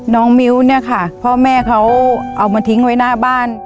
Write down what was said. น้องมิ้วเนี่ยค่ะพ่อแม่เขาเอามาทิ้งไว้หน้าบ้าน